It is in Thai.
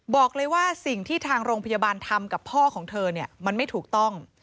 บอกเลยว่าสิ่งที่ทางโรงพยาบาลทำกับพ่อของเธอเนี่ยมันไม่ถูกต้อง